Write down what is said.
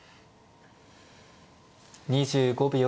２５秒。